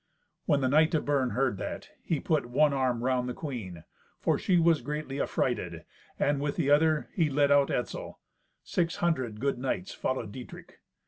When the knight of Bern heard that, he put one arm round the queen, for she was greatly affrighted, and with the other he led out Etzel. Six hundred good knights followed Dietrich.